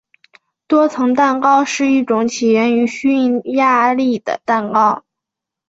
多层蛋糕是一种起源于匈牙利的蛋糕。